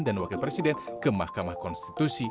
dan wakil presiden ke mahkamah konstitusi